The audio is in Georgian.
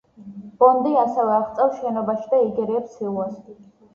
ბონდი ასევე აღწევს შენობაში და იგერიებს სილვას.